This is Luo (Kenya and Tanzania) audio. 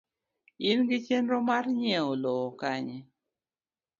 in gi chenro mar nyieo lowo Kanye?